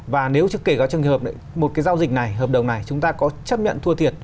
và nếu kể cả một cái giao dịch này hợp đồng này chúng ta có chấp nhận thua thiệt